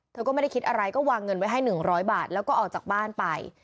เธอก็ไม่ได้คิดอะไรก็วางเงินไว้ให้๑๐๐บาทแล้วก็ออกจากบ้านไป